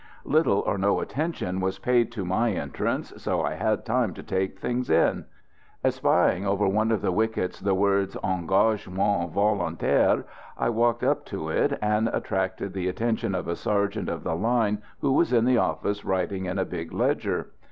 Little or no attention was paid to my entrance, so I had time to take things in. Espying over one of the wickets the words, "Engagements Volontaires," I walked up to it, and attracted the attention of a sergeant of the line who was in the office writing in a big ledger.